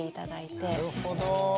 なるほど。